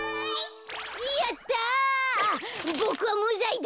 やった！